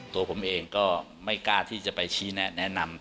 ตัวผมเองก็ไม่กล้าที่จะไปชี้แนะนำ